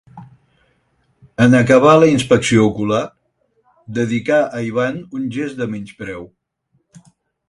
En acabar la inspecció ocular, dedicà a Ivan un gest de menyspreu.